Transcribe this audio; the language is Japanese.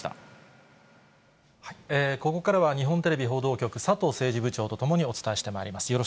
ここからは日本テレビ報道局、佐藤政治部長と共にお伝えしてまいります。